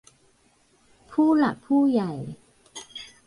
ผู้หลักผู้ใหญ่